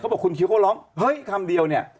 บอกคุณคิวเขาร้องเฮ้ยคำเดียวเนี่ย